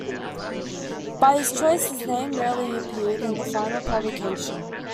By his choice, his name rarely appeared in the final publication.